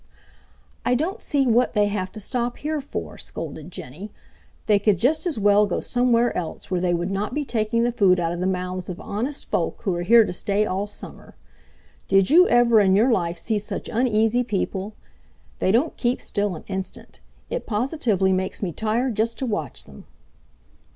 "I don't see what they have to stop here for," scolded Jenny. "They could just as well go somewhere else where they would not be taking the food out of the mouths of honest folk who are here to stay all summer. Did you ever in your life see such uneasy people? They don't keep still an instant. It positively makes me tired just to watch them."